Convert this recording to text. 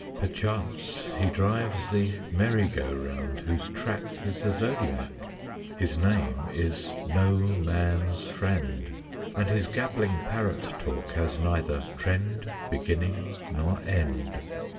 Perchance he drives the merry go round whose track Is the zodiac; His name is No man's friend; And his gabbling parrot talk has neither trend, Beginning, nor end.